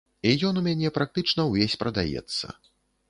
І ён у мяне практычна ўвесь прадаецца.